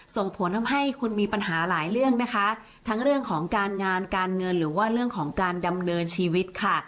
ส่งผลทำให้คุณมีปัญหาหลายเรื่องนะคะทั้งเรื่องของการงานการเงินหรือว่าเรื่องของการดำเนินชีวิตค่ะ